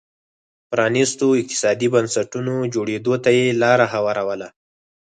پرانيستو اقتصادي بنسټونو جوړېدو ته یې لار هواروله.